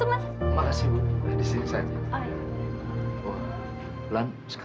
uang dari mana